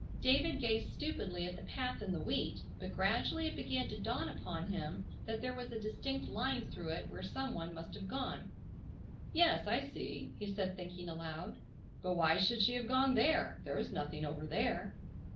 David gazed stupidly at the path in the wheat, but gradually it began to dawn upon him that there was a distinct line through it where some one must have gone. "Yes, I see," he said thinking aloud, "but why should she have gone there? There is nothing over there."